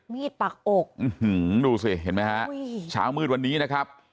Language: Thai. มีดปักอกอืมหืมดูสิเห็นมั้ยฮะช้ามืดวันนี้นะครับ